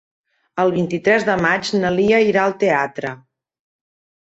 El vint-i-tres de maig na Lia irà al teatre.